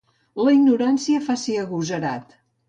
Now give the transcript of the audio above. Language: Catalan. La ignorància fa ser agosarat.